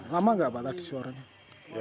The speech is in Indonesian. lama nggak pak tadi suaranya